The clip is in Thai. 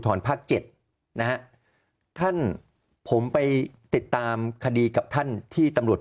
รภาคเจ็ดนะฮะท่านผมไปติดตามคดีกับท่านที่ตำรวจ